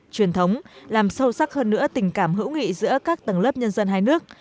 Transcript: truyền thống làm sâu sắc hơn nữa tình cảm hữu nghị giữa các tầng lớp nhân dân hai nước